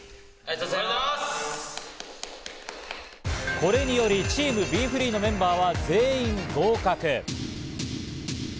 これによりチームＢｅＦｒｅｅのメンバーは全員合格。